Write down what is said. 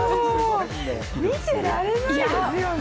見ていられないですよね。